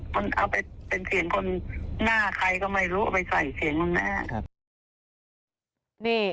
มันเอาไปเป็นเสียงคนหน้าใครก็ไม่รู้เอาไปใส่เสียงข้างหน้า